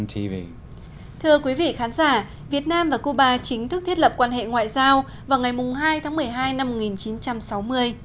thưa quý vị khán giả việt nam và cuba chính thức thiết lập quan hệ ngoại giao vào ngày hai tháng một mươi hai năm một nghìn chín trăm sáu mươi